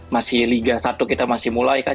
masih liga satu kita masih mulai kan